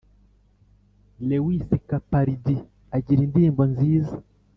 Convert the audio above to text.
lewis capaldi agira indirimbo nziza